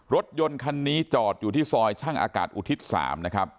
รถยนต์คันนี้จอดอยู่ที่ซอยช่างอากาศอุทิศ๓นะครับ